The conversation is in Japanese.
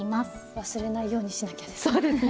忘れないようにしなきゃですね。